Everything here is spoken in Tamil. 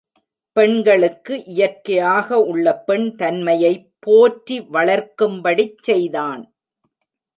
பெண்களுக்கு இயற்கையாக உள்ள பெண் தன்மையை போற்றி வளர்க்கும்படிச் செய்தான்.